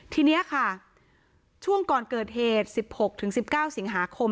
ทีนี้ค่ะช่วงก่อนเกิดเหตุ๑๖๑๙สิงหาคม